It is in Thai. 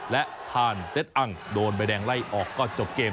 และทานเต็ดอังโดนใบแดงไล่ออกก็จบเกม